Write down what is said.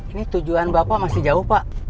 ini tujuan bapak masih jauh pak